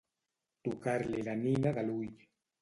Tocar-li la nina de l'ull.